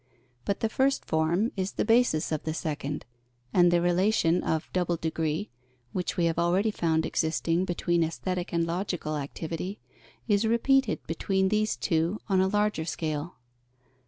But the first form is the basis of the second; and the relation of double degree, which we have already found existing between aesthetic and logical activity, is repeated between these two on a larger scale.